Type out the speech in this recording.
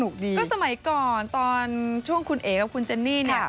ก็สมัยก่อนตอนช่วงคุณเอ๋กับคุณเจนนี่เนี่ย